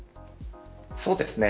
そうですね。